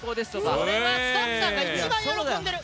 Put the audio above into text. それはスタッフさんが一番喜んでる。